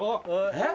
えっ？